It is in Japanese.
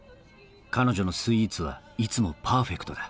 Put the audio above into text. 彼女のスイーツはいつもパーフェクトだ